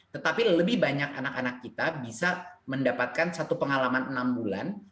tetapi lebih banyak anak anak kita bisa mendapatkan satu pengalaman enam bulan